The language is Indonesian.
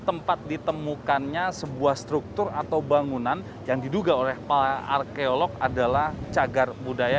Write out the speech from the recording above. tempat ditemukannya sebuah struktur atau bangunan yang diduga oleh arkeolog adalah cagar budaya